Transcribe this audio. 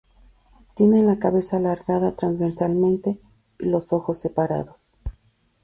Tienen la cabeza alargada transversalmente y los ojos separados.